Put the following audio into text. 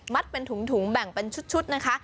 เป็นถุงแบ่งเป็นชุดนะคะ